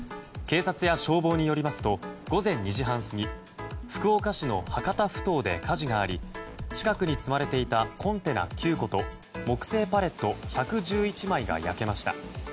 警察や消防によりますと午前２時半過ぎ福岡市の博多ふ頭で火事があり近くに積まれていたコンテナ９個と木製パレット１１１枚が焼けました。